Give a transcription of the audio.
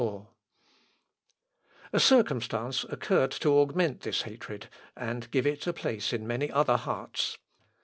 ] A circumstance occurred to augment this hatred, and give it a place in many other hearts.